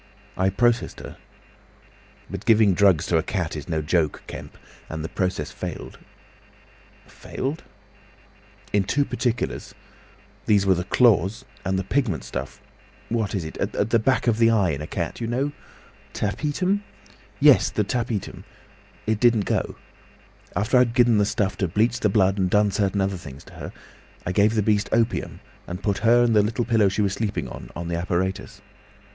"I processed her. But giving drugs to a cat is no joke, Kemp! And the process failed." "Failed!" "In two particulars. These were the claws and the pigment stuff, what is it?—at the back of the eye in a cat. You know?" "Tapetum." "Yes, the tapetum. It didn't go. After I'd given the stuff to bleach the blood and done certain other things to her, I gave the beast opium, and put her and the pillow she was sleeping on, on the apparatus.